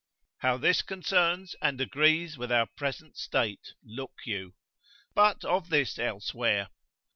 How this concerns and agrees with our present state, look you. But of this elsewhere.